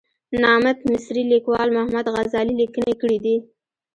نامت مصري لیکوال محمد غزالي لیکنې کړې دي.